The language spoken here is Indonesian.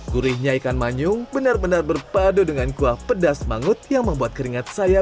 gurihnya ikan manyung benar benar berpadu dengan kuah pedas mangut yang membuat keringat saya